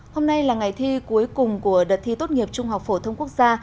hôm nay là ngày thi cuối cùng của đợt thi tốt nghiệp trung học phổ thông quốc gia